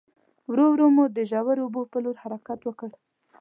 ورو ورو مو د ژورو اوبو په لور حرکت وکړ.